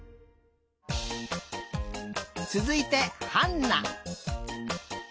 つづいてハンナ。